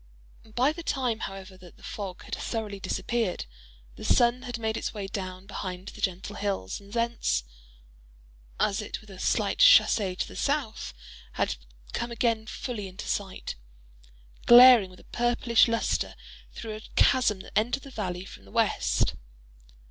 By the time, however, that the fog had thoroughly disappeared, the sun had made its way down behind the gentle hills, and thence, as if with a slight chassez to the south, had come again fully into sight, glaring with a purplish lustre through a chasm that entered the valley from the west.